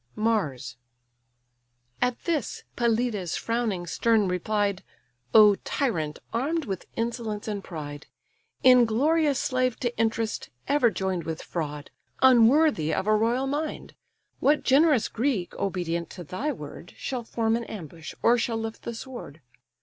MARS At this, Pelides, frowning stern, replied: "O tyrant, arm'd with insolence and pride! Inglorious slave to interest, ever join'd With fraud, unworthy of a royal mind! What generous Greek, obedient to thy word, Shall form an ambush, or shall lift the sword?